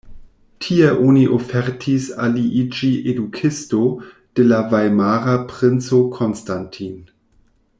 Tie oni ofertis al li iĝi edukisto de la vajmara princo Konstantin.